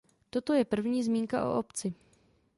Toto je první zmínka o obci.